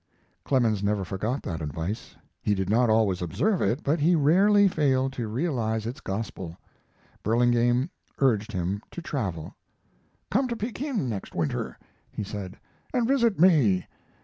Clemens never forgot that advice. He did not always observe it, but he rarely failed to realize its gospel. Burlingame urged him to travel. "Come to Pekin next winter," he said, "and visit me.